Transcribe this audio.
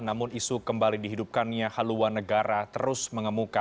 namun isu kembali dihidupkannya haluan negara terus mengemuka